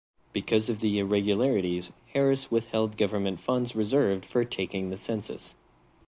Because of the irregularities, Harris withheld government funds reserved for taking the census.